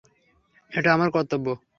এটা আমার কর্তব্য।